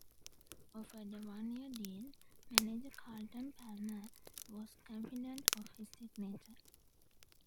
Offered a one-year deal, manager Carlton Palmer was confident of his signature.